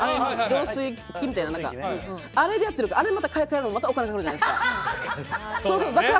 浄水器みたいなのあれでやってるからあれを買い替えるのまたお金かかるじゃないですか。